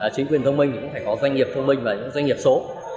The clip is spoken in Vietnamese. chính quyền thông minh doanh nghiệp thông minh và doanh nghiệp số